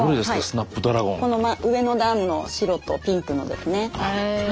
この上の段の白とピンクのですね。